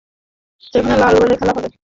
সেখানে লাল বলে খেলা হবে।